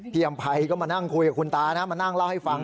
อำภัยก็มานั่งคุยกับคุณตานะมานั่งเล่าให้ฟัง